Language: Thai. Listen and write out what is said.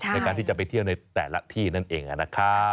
ในการที่จะไปเที่ยวในแต่ละที่นั่นเองนะครับ